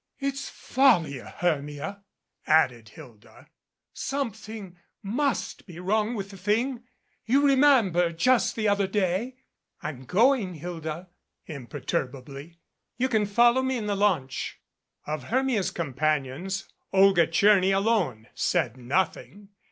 "It's folly, Hermia," added Hilda. "Something must be wrong with the thing. You remember just the other day " "I'm going, Hilda," imperturbably. "You can follow me in the launch." Of Hermia's companions, Olga Tcherny alone said nothing.